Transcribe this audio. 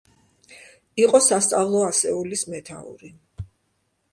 იყო სასწავლო ასეულის მეთაური.